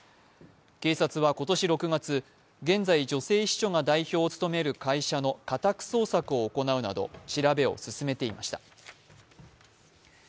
警察は今年６月、現在、女性秘書が勤める会社の家宅捜索を行うなど調べを進めていました。